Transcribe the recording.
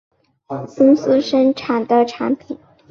公司生产的产品